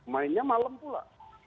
mainnya malam pula